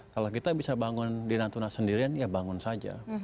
kalau kita bisa bangun di natuna sendirian ya bangun saja